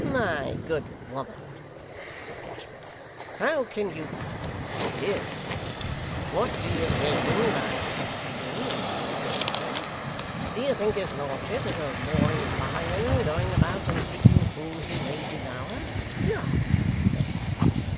'My good woman,' said Gashford, 'how can you! Dear me! What do you mean by tempting, and by danger? Do you think his lordship is a roaring lion, going about and seeking whom he may devour? God bless me!